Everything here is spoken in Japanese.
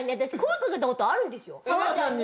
浜ちゃんに。